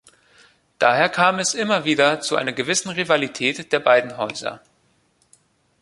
Daher kam es immer wieder zu einer gewissen Rivalität der beiden Häuser.